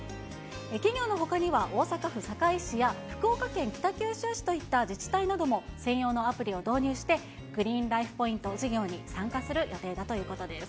企業のほかには、大阪府堺市や福岡県北九州市といった自治体なども専用のアプリを導入して、グリーンライフ・ポイント事業に参加する予定だということです。